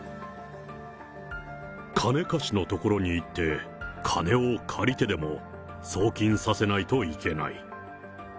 金貸しのところに行って、金を借りてでも送金させないといけない。